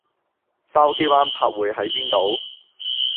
筲箕灣柏匯喺邊度？